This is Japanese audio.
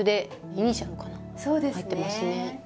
入ってますね。